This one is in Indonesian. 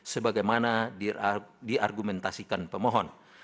sebagaimana diargumentasikan pemohon